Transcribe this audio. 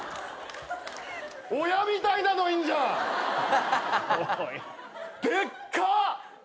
親みたいなのいんじゃん！でっか！